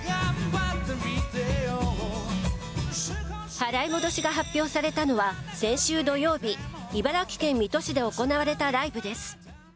払い戻しが発表されたのは先週土曜日茨城県水戸市で行われたライブです。